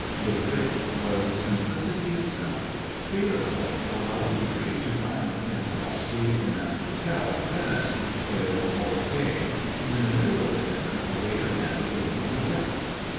The trick was simplicity itself. Prilukoff allowed Marie to dine with Kamarowsky in an hotel at Venice, where they were all staying, and in the middle of the dinner a waiter handed the woman a letter.